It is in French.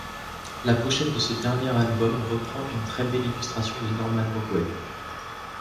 La pochette de ce dernier album reprend une très belle illustration de Norman Rockwell.